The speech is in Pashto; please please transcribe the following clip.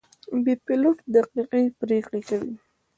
پیلوټ دقیقې پرېکړې کوي.